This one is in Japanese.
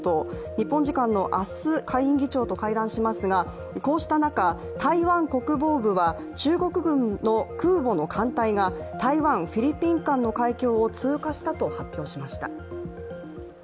日本時間の明日、下院議長と会談しますが、こうした中、台湾国防部は中国軍の空母の艦隊が台湾、フィリピン間の海峡を通過したと発表しました。